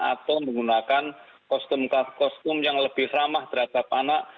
atau menggunakan kostum yang lebih ramah terhadap anak